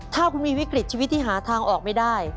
ถ้าคุณมีวิกฤตชีวิตที่หาทางออกไม่ได้